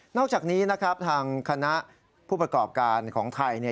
อกจากนี้นะครับทางคณะผู้ประกอบการของไทย